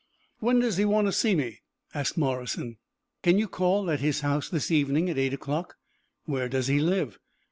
"When does he want to see me?" asked Morrison. "Can you call at his house this evening at eight o'clock?" "Where does he live?"